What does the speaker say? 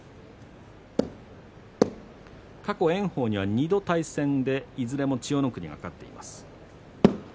過去炎鵬には２度あたって、いずれも千代の国が勝っています。